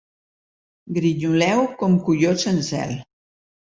Grinyoleu com coiots en zel.